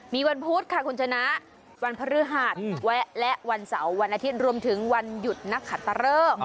มีวันพุธค่ะคุณชนะวันพฤหัสแวะและวันเสาร์วันอาทิตย์รวมถึงวันหยุดนักขัดตะเริก